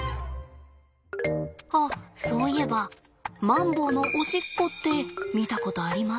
あっそういえばマンボウのおしっこって見たことあります？